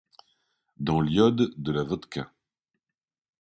Dans l'iode de la vodka.